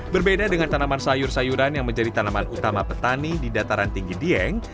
berbeda dengan tanaman sayur sayuran yang menjadi tanaman utama petani di dataran tinggi dieng